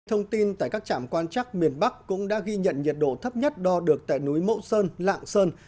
thông tin tại các trạm quan trắc miền bắc cũng đã ghi nhận nhiệt độ thấp nhất đo được tại núi mẫu sơn lạng sơn